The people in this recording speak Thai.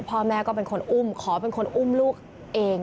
พ่อแม่ก็เป็นคนอุ้มขอเป็นคนอุ้มลูกเอง